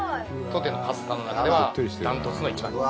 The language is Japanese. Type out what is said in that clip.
当店のパスタの中では断トツの一番人気。